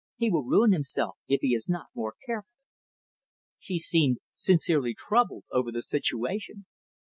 He will ruin himself, if he is not more careful." She seemed sincerely troubled over the situation.